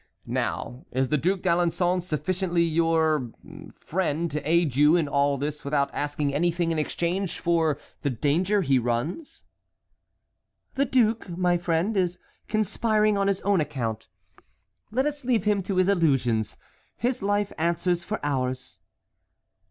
Now, is the Duc d'Alençon sufficiently your—friend to aid you in all this without asking anything in exchange for the danger he runs?" "The duke, my friend, is conspiring on his own account. Let us leave him to his illusions. His life answers for ours."